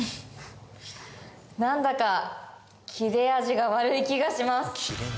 何だか切れ味が悪い気がします。